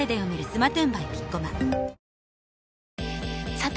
さて！